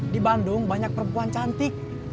di bandung banyak perempuan cantik